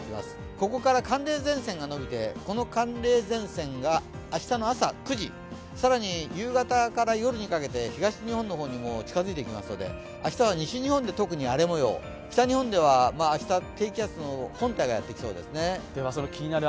ここから寒冷前線が出てきて明日の朝９時、更に夕方から夜にかけて東日本の方にも近づいてきますので明日は西日本で荒れもよう北日本では明日、低気圧の本体がやってきそうですね。